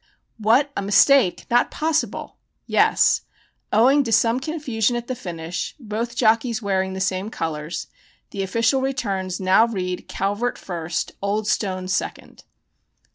"What! A mistake? Not possible! Yes. Owing to some confusion at the finish, both jockies wearing the same colors, the official returns now read Calvert first; Old Stone second."